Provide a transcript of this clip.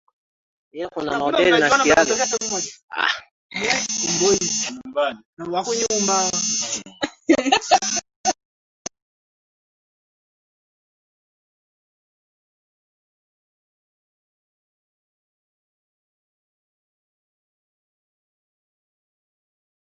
zinapingana sana kwa sababu ya ukweli kwamba waliunganisha